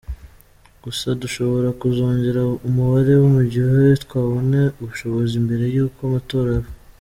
Gusa dushobora kuzongera umubare mu gihe twabona ubushobozi mbere y’uko amatora aba.